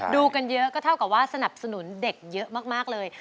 ดูกันเยอะก็เท่ากับว่าสนับสนุนเด็กเยอะมากเลย